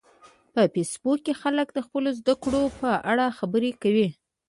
په فېسبوک کې خلک د خپلو زده کړو په اړه خبرې کوي